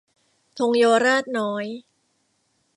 ธงเยาวราชน้อย